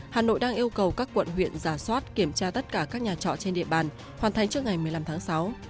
hà nội đang yêu cầu các quận huyện giả soát kiểm tra tất cả các nhà trọ trên địa bàn hoàn thành trước ngày một mươi năm tháng sáu